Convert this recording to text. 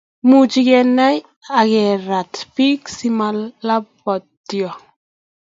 much kenai akerat piik si malaptio